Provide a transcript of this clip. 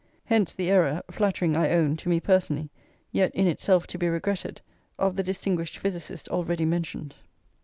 Hence the error, flattering, I own, to me personally, yet in itself to be regretted, of the distinguished physicist already mentioned.